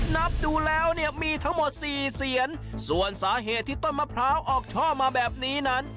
นับดูแล้วเนี่ยมีทั้งหมดสี่เสียนส่วนสาเหตุที่ต้นมะพร้าวออกช่อมาแบบนี้นั้น